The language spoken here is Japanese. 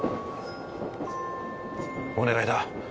お願いだ。